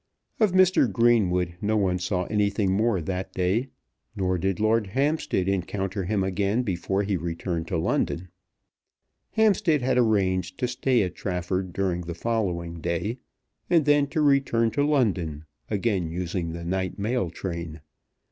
Of Mr. Greenwood no one saw anything more that day, nor did Lord Hampstead encounter him again before he returned to London. Hampstead had arranged to stay at Trafford during the following day, and then to return to London, again using the night mail train.